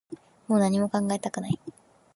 もう何も考えたくない